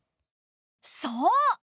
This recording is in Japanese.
そう。